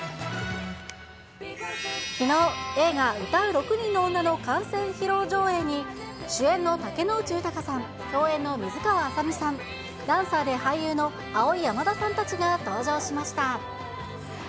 きのう、映画、唄う六人の女の完成披露上映に、主演の竹野内豊さん、共演の水川あさみさん、ダンサーで俳優のアオイヤマダさんたちが登場しました。